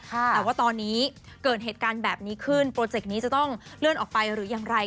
แต่ว่าตอนนี้เกิดเหตุการณ์แบบนี้ขึ้นโปรเจกต์นี้จะต้องเลื่อนออกไปหรือยังไร